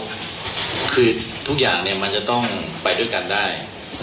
คือทุกอย่างมันจะต้องไปด้วยกันได้